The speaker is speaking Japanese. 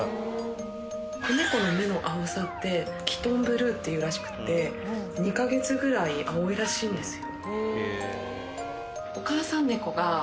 子猫の目の青さってキトンブルーっていうらしくって２カ月ぐらい青いらしいんですよ。